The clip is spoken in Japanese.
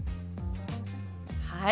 はい。